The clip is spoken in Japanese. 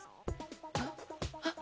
あっあっ。